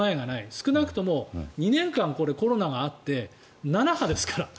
少なくとも２年間コロナがあって７波ですから。